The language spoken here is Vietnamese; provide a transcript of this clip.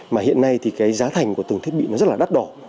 mà hiện nay thì cái giá thành của từng thiết bị nó rất là đắt đỏ